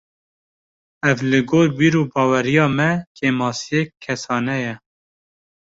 Ev li gor bîr û baweriya me, kêmasiyek kesane ye